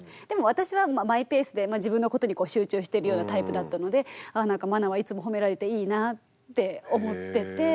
でも私はマイペースで自分のことに集中してるようなタイプだったのでなんか茉奈はいつもほめられていいなって思ってて。